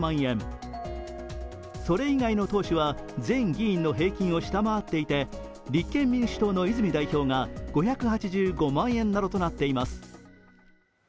それ以外の党首は全議員の平均を下回っていて、立憲民主党の泉代表が５８５万円などとなっています。